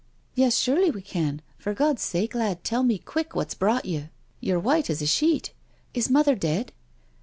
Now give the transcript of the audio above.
" Yes, surely we can. For God's sake, lad, tell me quick what's brought you? You're white as a sheet. Is Mother dead?"